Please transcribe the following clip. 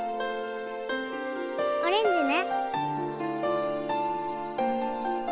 オレンジね。